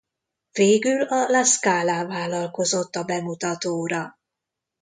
Végül a La Scala vállalkozott a bemutatóra.